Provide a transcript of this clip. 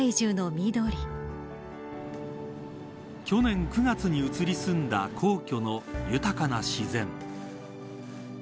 去年９月に移り住んだ皇居の豊かな自然。